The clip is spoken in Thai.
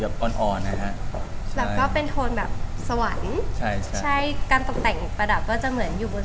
แล้วก็จะเป็นทีม